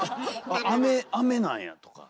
「あめなんや」とか。